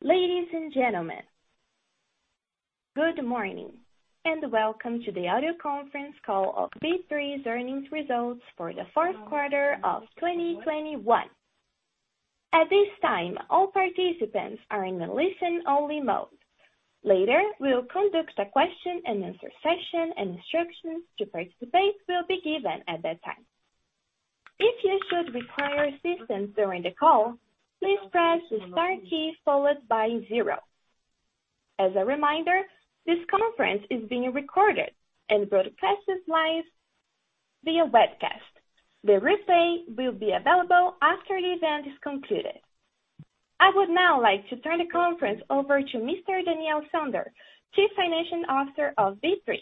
Ladies and gentlemen, good morning, and welcome to the audio conference call of B3's earnings results for the Q4 of 2021. At this time, all participants are in a listen-only mode. Later, we'll conduct a question-and-answer session, and instructions to participate will be given at that time. If you should require assistance during the call, please press the star key followed by zero. As a reminder, this conference is being recorded and broadcasted live via webcast. The replay will be available after the event is concluded. I would now like to turn the conference over to Mr. Daniel Sonder, Chief Financial Officer of B3.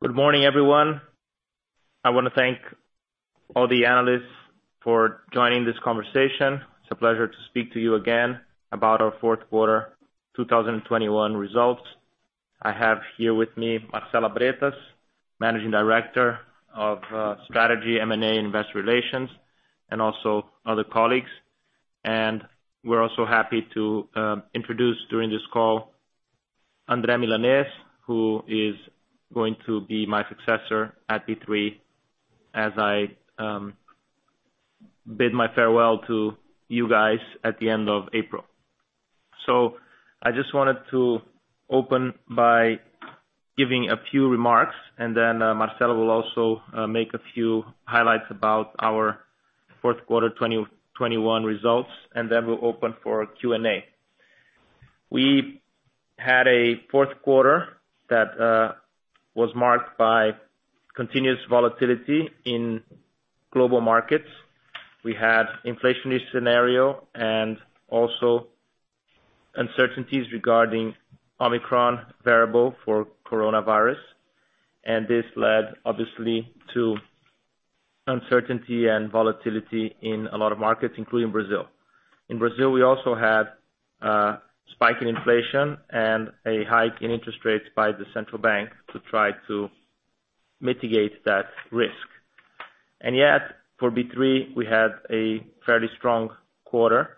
Good morning, everyone. I want to thank all the analysts for joining this conversation. It's a pleasure to speak to you again about our Q4 2021 results. I have here with me Marcela Bretas, Managing Director of Strategy, M&A, and Investor Relations, and also other colleagues. We're also happy to introduce during this call André Milanez, who is going to be my successor at B3 as I bid my farewell to you guys at the end of April. I just wanted to open by giving a few remarks and then Marcela will also make a few highlights about our Q4 2021 results, and then we'll open for Q&A. We had a Q4 that was marked by continuous volatility in global markets. We had an inflationary scenario and also uncertainties regarding Omicron variant for coronavirus, and this led obviously to uncertainty and volatility in a lot of markets, including Brazil. In Brazil, we also had a spike in inflation and a hike in interest rates by the central bank to try to mitigate that risk. Yet, for B3, we had a fairly strong quarter,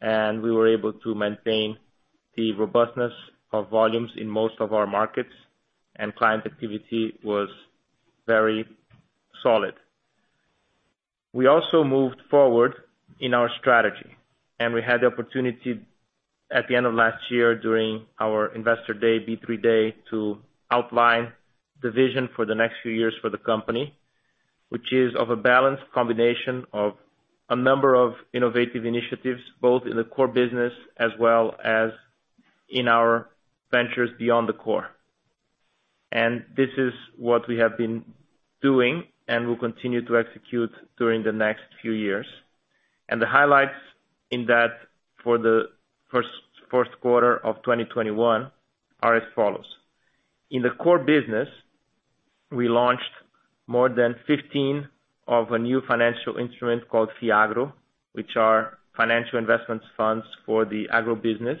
and we were able to maintain the robustness of volumes in most of our markets, and client activity was very solid. We also moved forward in our strategy, and we had the opportunity at the end of last year during our investor day, B3 Day, to outline the vision for the next few years for the company, which is of a balanced combination of a number of innovative initiatives, both in the core business as well as in our ventures beyond the core. This is what we have been doing and will continue to execute during the next few years. The highlights in that for the Q4 of 2021 are as follows. In the core business, we launched more than 15 of a new financial instrument called FII Agro, which are financial investment funds for the agribusiness.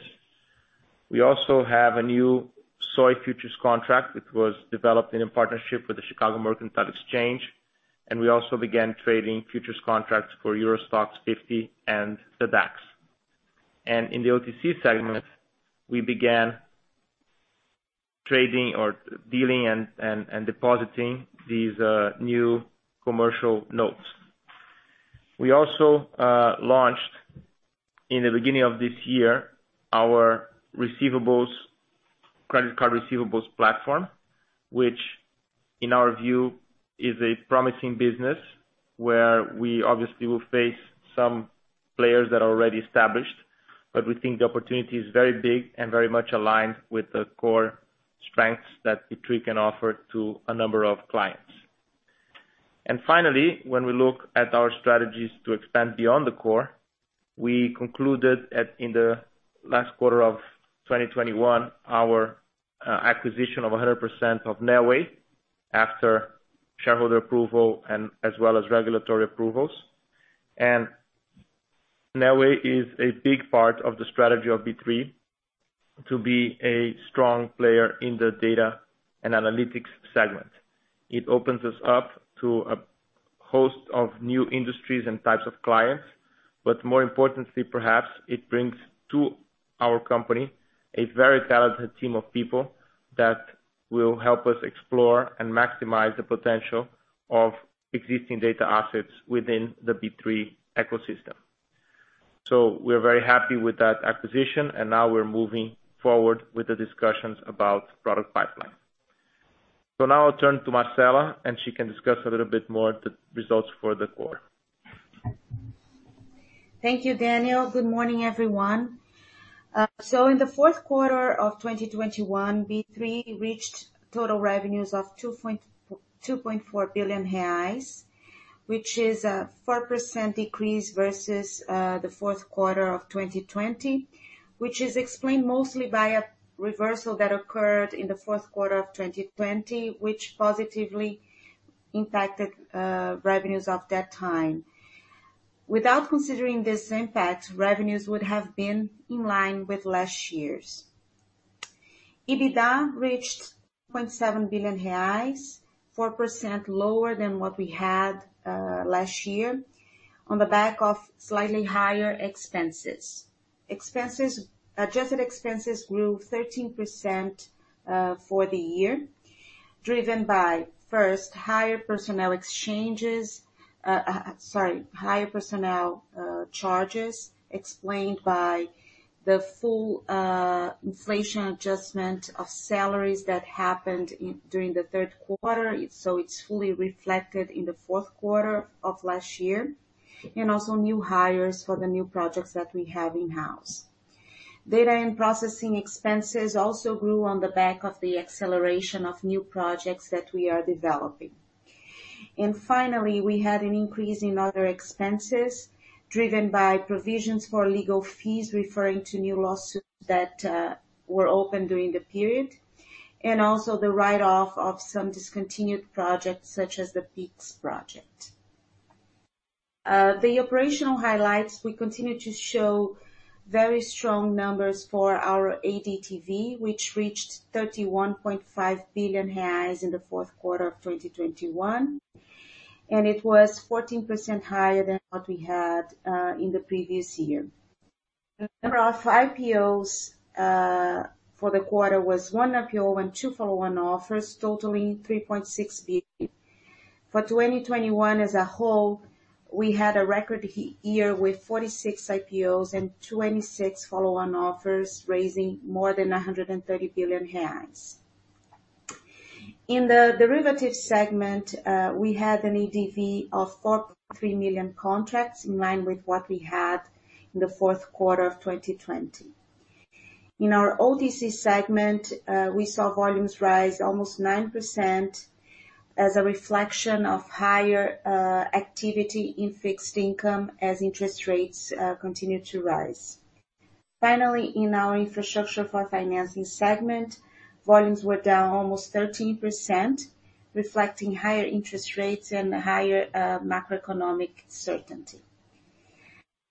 We also have a new soy futures contract, which was developed in a partnership with the Chicago Mercantile Exchange, and we also began trading futures contracts for Euro Stoxx 50 and the DAX. In the OTC segment, we began trading or dealing and depositing these new commercial notes. We also launched in the beginning of this year our receivables credit card receivables platform, which in our view is a promising business where we obviously will face some players that are already established, but we think the opportunity is very big and very much aligned with the core strengths that B3 can offer to a number of clients. Finally, when we look at our strategies to expand beyond the core, we concluded in the last quarter of 2021 our acquisition of 100% of Neoway after shareholder approval and as well as regulatory approvals. Neoway is a big part of the strategy of B3 to be a strong player in the data and analytics segment. It opens us up to a host of new industries and types of clients, but more importantly perhaps, it brings to our company a very talented team of people that will help us explore and maximize the potential of existing data assets within the B3 ecosystem. We're very happy with that acquisition, and now we're moving forward with the discussions about product pipeline. Now I'll turn to Marcela, and she can discuss a little bit more the results for the quarter. Thank you, Daniel. Good morning, everyone. In the Q4 of 2021, B3 reached total revenues of 2.4 billion reais, which is a 4% decrease versus the Q4 of 2020, which is explained mostly by a reversal that occurred in the Q4 of 2020, which positively impacted revenues of that time. Without considering this impact, revenues would have been in line with last year’s. EBITDA reached 0.7 billion reais, 4% lower than what we had last year on the back of slightly higher expenses. Adjusted expenses grew 13% for the year, driven by, first, higher personnel expenses. Sorry, higher personnel expenses explained by the full inflation adjustment of salaries that happened during the Q3. It's fully reflected in the Q4 of last year, and also new hires for the new projects that we have in-house. Data and processing expenses also grew on the back of the acceleration of new projects that we are developing. We had an increase in other expenses driven by provisions for legal fees, referring to new lawsuits that were open during the period, and also the write-off of some discontinued projects such as the Pix project. The operational highlights, we continue to show very strong numbers for our ADTV, which reached 31.5 billion reais in the Q4 of 2021, and it was 14% higher than what we had in the previous year. The number of IPOs for the quarter was one IPO and two follow-on offers, totaling 3.6 billion. For 2021 as a whole, we had a record year with 46 IPOs and 26 follow-on offers, raising more than 130 billion reais. In the derivatives segment, we had an ADV of 4.3 million contracts, in line with what we had in the Q4 of 2020. In our OTC segment, we saw volumes rise almost 9% as a reflection of higher activity in fixed income as interest rates continued to rise. Finally, in our infrastructure for financing segment, volumes were down almost 13%, reflecting higher interest rates and higher macroeconomic certainty.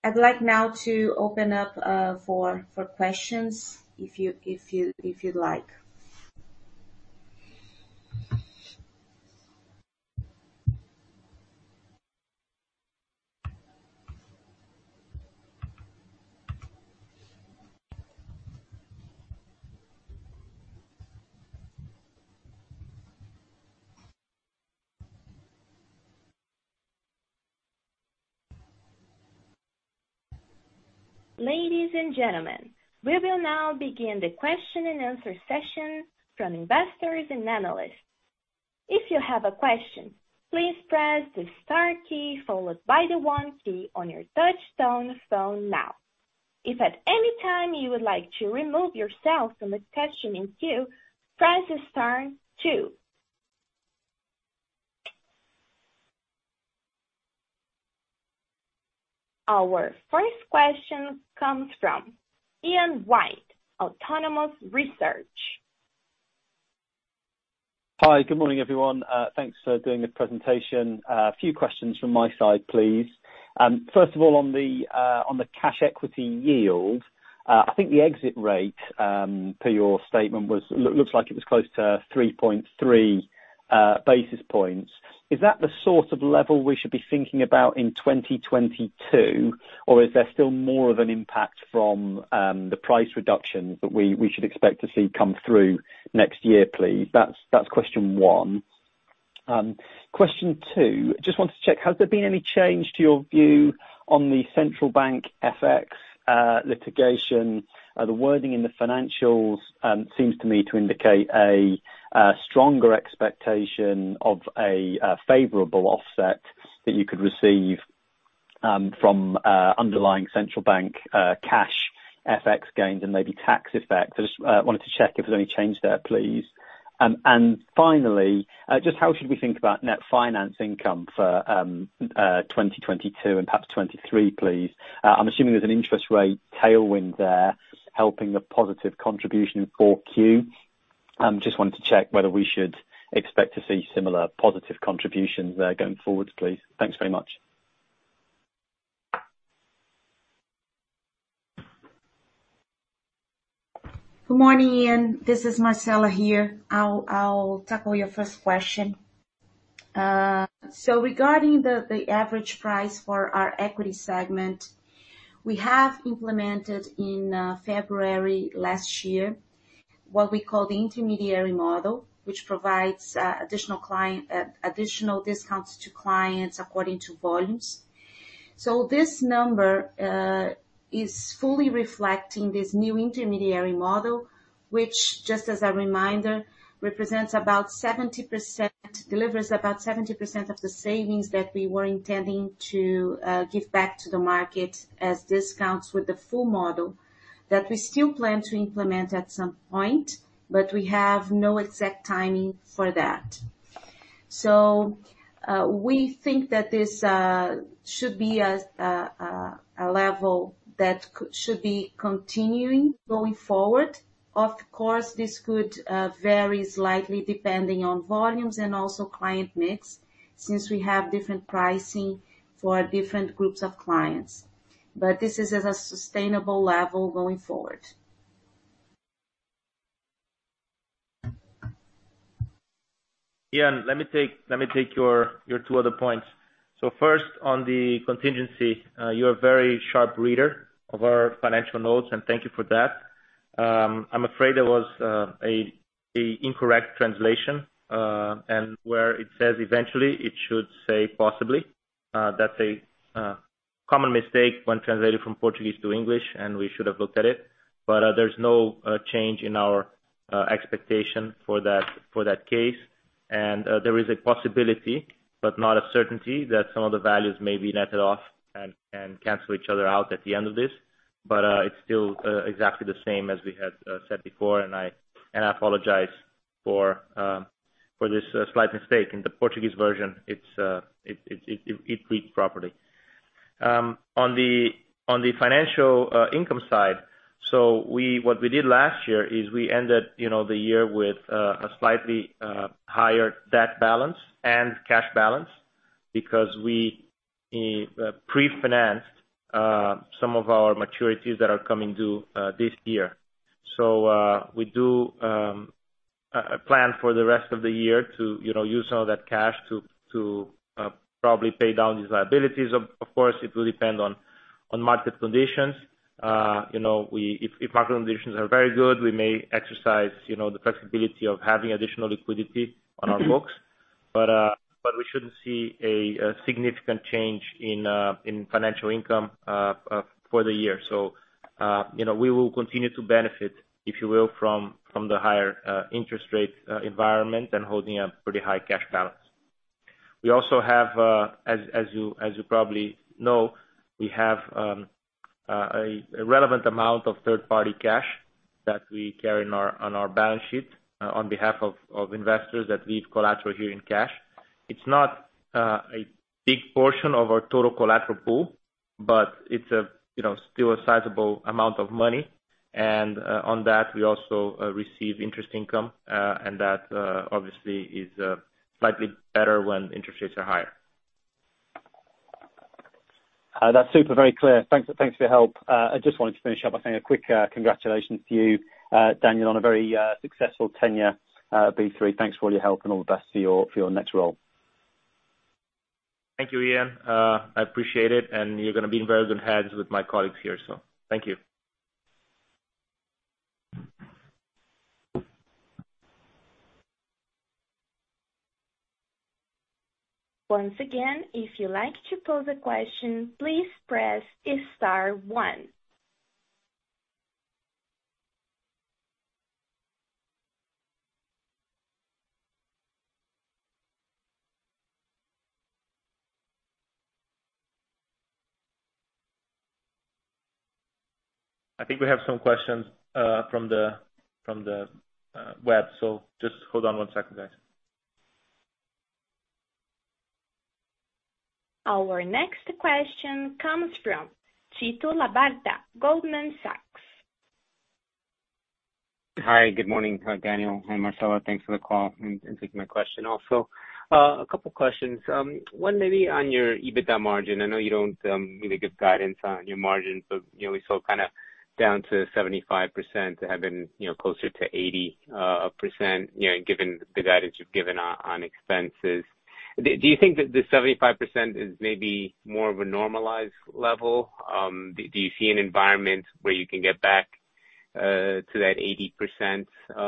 I'd like now to open up for questions if you'd like. Ladies and gentlemen, we will now begin the question-and-answer session from investors and analysts. Our first question comes from Ian White, Autonomous Research. Hi. Good morning, everyone. Thanks for doing the presentation. A few questions from my side, please. First of all, on the cash equity yield, I think the exit rate per your statement looks like it was close to 3.3 basis points. Is that the sort of level we should be thinking about in 2022, or is there still more of an impact from the price reductions that we should expect to see come through next year, please? That's question one. Question two, just wanted to check, has there been any change to your view on the central bank FX litigation? The wording in the financials seems to me to indicate a stronger expectation of a favorable offset that you could receive from underlying central bank cash FX gains and maybe tax effects. I just wanted to check if there's any change there, please. Finally, just how should we think about net finance income for 2022 and perhaps 2023, please? I'm assuming there's an interest rate tailwind there helping the positive contribution in 4Q. Just wanted to check whether we should expect to see similar positive contributions there going forward, please. Thanks very much. Good morning, Ian. This is Marcela here. I'll tackle your first question. Regarding the average price for our equity segment, we have implemented in February last year what we call the Intermediary Model, which provides additional discounts to clients according to volumes. This number is fully reflecting this new Intermediary Model, which, just as a reminder, delivers about 70% of the savings that we were intending to give back to the market as discounts with the full model that we still plan to implement at some point, but we have no exact timing for that. We think that this should be a level that should be continuing going forward. Of course, this could vary slightly depending on volumes and also client mix since we have different pricing for different groups of clients. This is a sustainable level going forward. Ian, let me take your two other points. First on the contingency, you're a very sharp reader of our financial notes, and thank you for that. I'm afraid there was an incorrect translation, and where it says eventually it should say possibly. That's a common mistake when translating from Portuguese to English, and we should have looked at it. There's no change in our expectation for that case. There is a possibility, but not a certainty, that some of the values may be netted off and cancel each other out at the end of this. It's still exactly the same as we had said before, and I apologize for this slight mistake. In the Portuguese version, it's read properly. On the financial income side, what we did last year is we ended you know the year with a slightly higher debt balance and cash balance because we pre-financed some of our maturities that are coming due this year. We do plan for the rest of the year to you know use some of that cash to probably pay down these liabilities. Of course, it will depend on market conditions. You know, if market conditions are very good, we may exercise you know the flexibility of having additional liquidity on our books. We shouldn't see a significant change in financial income for the year. You know, we will continue to benefit, if you will, from the higher interest rate environment and holding a pretty high cash balance. We also have, as you probably know, a relevant amount of third-party cash that we carry on our balance sheet on behalf of investors that leave collateral here in cash. It's not a big portion of our total collateral pool, but it's, you know, still a sizable amount of money. On that, we also receive interest income. That obviously is slightly better when interest rates are higher. That's super very clear. Thanks for your help. I just wanted to finish up by saying a quick congratulations to you, Daniel, on a very successful tenure, B3. Thanks for all your help and all the best for your next role. Thank you, Ian. I appreciate it, and you're going to be in very good hands with my colleagues here, so thank you. Once again, if you'd like to pose a question, please press star one. I think we have some questions from the web, so just hold on one second, guys. Our next question comes from Tito Labarta, Goldman Sachs. Hi, good morning, Daniel and Marcela. Thanks for the call and taking my question also. A couple questions. One maybe on your EBITDA margin. I know you don't usually give guidance on your margins, but you know, we saw kind of down to 75% to having, you know, closer to 80%, you know, given the guidance you've given on expenses. Do you think that the 75% is maybe more of a normalized level? Do you see an environment where you can get back to that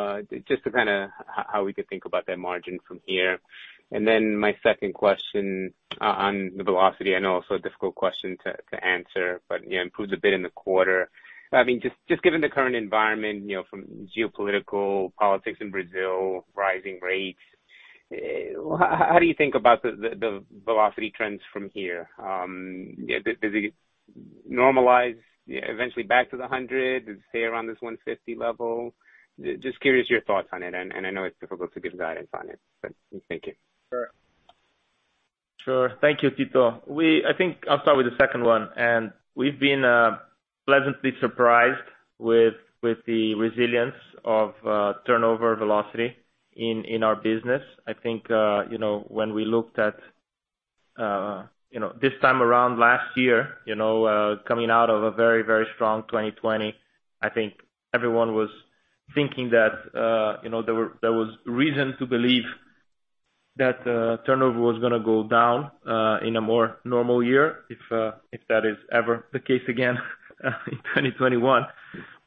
80%? Just to kind of how we could think about that margin from here. Then my second question on the velocity. I know also a difficult question to answer, but you know, improved a bit in the quarter. I mean, just given the current environment, you know, from geopolitical politics in Brazil, rising rates, how do you think about the velocity trends from here? Yeah, does it normalize, eventually back to the 100? Does it stay around this 150 level? Just curious your thoughts on it, and I know it's difficult to give guidance on it, but thank you. Sure. Thank you, Tito. I think I'll start with the second one. We've been pleasantly surprised with the resilience of turnover velocity in our business. I think you know, when we looked at you know, this time around last year, you know coming out of a very, very strong 2020, I think everyone was thinking that you know, there was reason to believe that turnover was going to go down in a more normal year, if that is ever the case again, in 2021.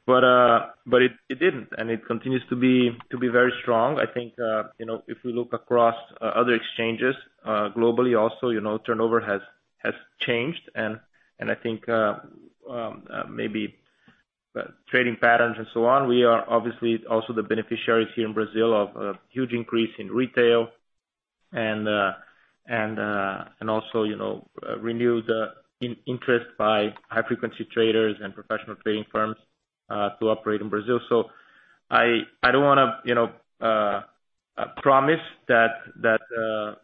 It didn't, and it continues to be very strong. I think you know, if we look across other exchanges globally also, you know, turnover has changed. I think maybe trading patterns and so on, we are obviously also the beneficiaries here in Brazil of a huge increase in retail and also, you know, renewed interest by high frequency traders and professional trading firms to operate in Brazil. I don't want to, you know, promise that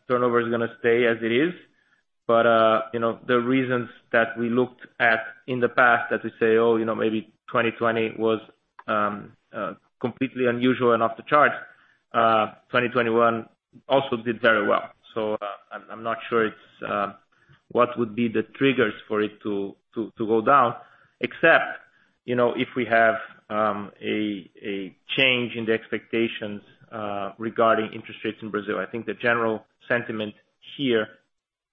turnover is going to stay as it is, but you know, the reasons that we looked at in the past that we say, oh, you know, maybe 2020 was completely unusual and off the charts. 2021 also did very well. I'm not sure it's what would be the triggers for it to go down, except, you know, if we have a change in the expectations regarding interest rates in Brazil. I think the general sentiment here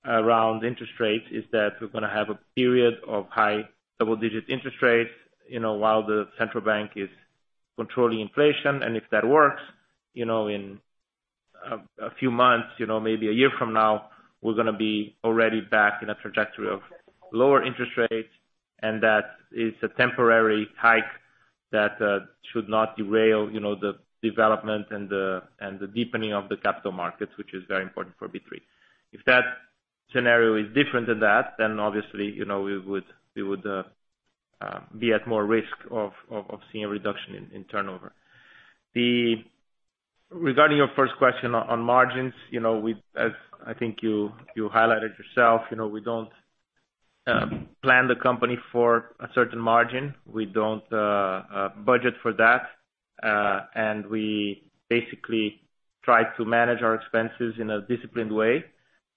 around interest rates is that we're going to have a period of high double-digit interest rates, you know, while the central bank is controlling inflation. If that works, you know, in a few months, you know, maybe a year from now, we're going to be already back in a trajectory of lower interest rates, and that is a temporary hike that should not derail, you know, the development and the deepening of the capital markets, which is very important for B3. If that scenario is different than that, then obviously, you know, we would be at more risk of seeing a reduction in turnover. Regarding your first question on margins, you know, we, as I think you highlighted yourself, you know, we don't plan the company for a certain margin. We don't budget for that. We basically try to manage our expenses in a disciplined way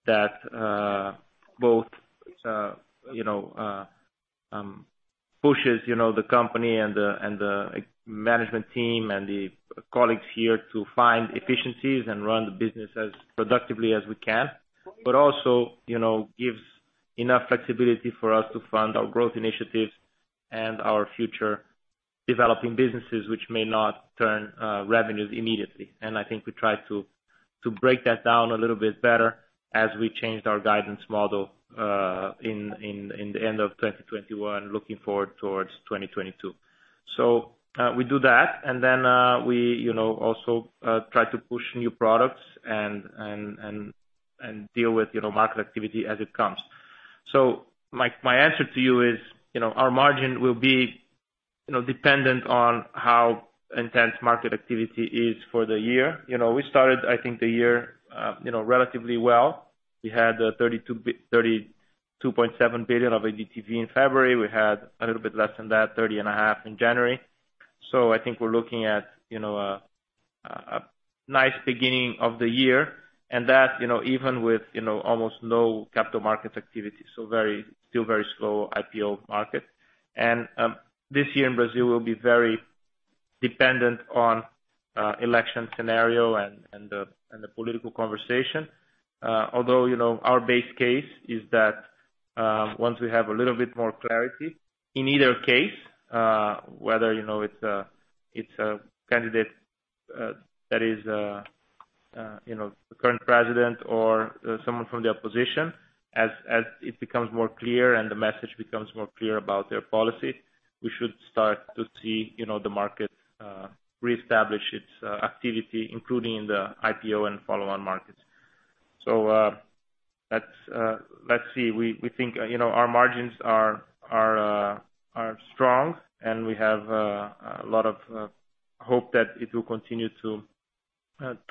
that both you know pushes you know the company and the management team and the colleagues here to find efficiencies and run the business as productively as we can. Also you know gives enough flexibility for us to fund our growth initiatives and our future developing businesses, which may not turn revenues immediately. I think we try to break that down a little bit better as we changed our guidance model at the end of 2021, looking forward towards 2022. We do that, and then we you know also try to push new products and deal with you know market activity as it comes. My answer to you is, you know, our margin will be, you know, dependent on how intense market activity is for the year. You know, we started, I think, the year, you know, relatively well. We had 32.7 billion of ADTV in February. We had a little bit less than that, 30.5 in January. I think we're looking at, you know, a nice beginning of the year and that, you know, even with, you know, almost no capital markets activity, still very slow IPO market. This year in Brazil will be very dependent on election scenario and the political conversation. Although, you know, our base case is that once we have a little bit more clarity in either case, whether, you know, it's a candidate that is, you know, the current president or someone from the opposition. As it becomes more clear and the message becomes more clear about their policy, we should start to see, you know, the market reestablish its activity, including the IPO and follow-on markets. Let's see. We think, you know, our margins are strong and we have a lot of hope that it will continue to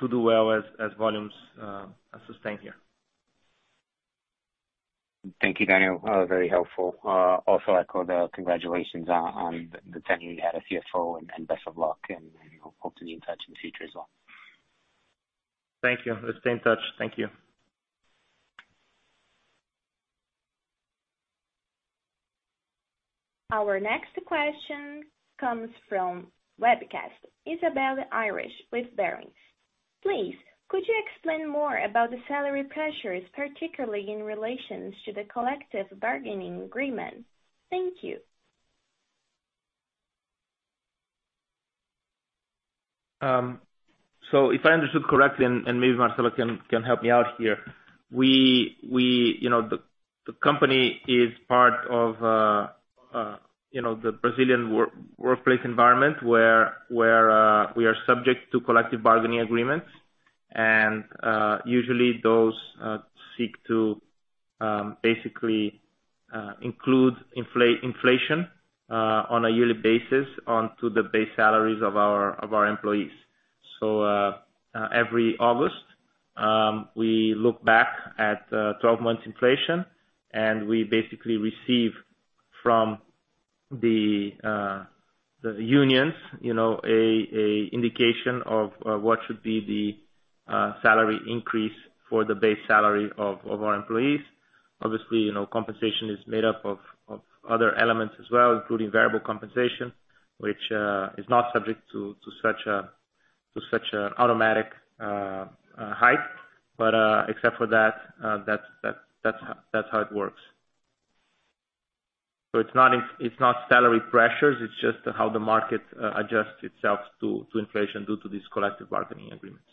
do well as volumes sustain here. Thank you, Daniel. Very helpful. Also echo the congratulations on the tenure you had as CFO and best of luck, and hope to be in touch in the future as well. Thank you. Let's stay in touch. Thank you. Our next question comes from webcast. Isabelle Irish with Barings. Please, could you explain more about the salary pressures, particularly in relation to the collective bargaining agreement? Thank you. If I understood correctly, maybe Marcela can help me out here. We, you know, the company is part of the Brazilian workplace environment where we are subject to collective bargaining agreements. Usually those seek to basically include inflation on a yearly basis onto the base salaries of our employees. Every August we look back at twelve months inflation, and we basically receive from the unions, you know, an indication of what should be the salary increase for the base salary of our employees. Obviously, you know, compensation is made up of other elements as well, including variable compensation, which is not subject to such an automatic hike. Except for that's how it works. It's not salary pressures, it's just how the market adjusts itself to inflation due to these collective bargaining agreements.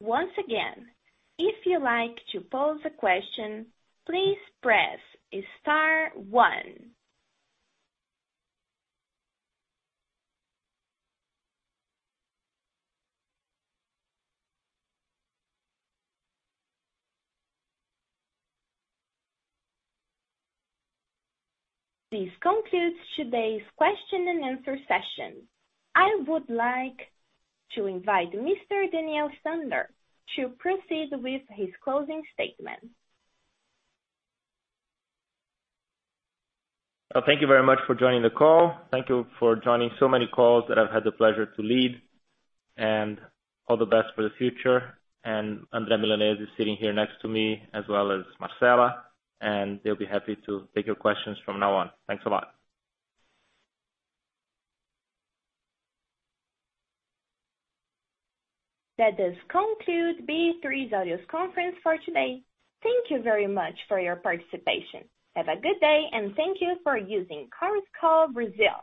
This concludes today's question and answer session. I would like to invite Mr. Daniel Sonder to proceed with his closing statement. Thank you very much for joining the call. Thank you for joining so many calls that I've had the pleasure to lead, and all the best for the future. André Milanez is sitting here next to me, as well as Marcela, and they'll be happy to take your questions from now on. Thanks a lot. That does conclude B3's audio conference for today. Thank you very much for your participation. Have a good day, and thank you for using Conference Call Brazil.